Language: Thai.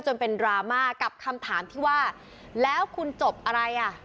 จนเป็นดราม่ากับคำถามที่ว่าแล้วคุณจบอะไรอ่ะ